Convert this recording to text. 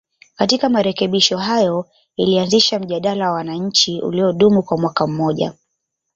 Katika marekebisho hayo ilianzisha mjadala wa wananchi uliodumu kwa mwaka mmoja